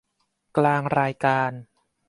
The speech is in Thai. กลางรายการ